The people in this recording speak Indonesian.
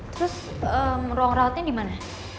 terus ruang rawatnya dimana